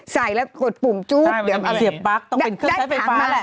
ใส่แล้วกดปุ่มจุ๊บเดี๋ยวเสียบปั๊กต้องเป็นเครื่องใช้ไฟฟ้าแหละ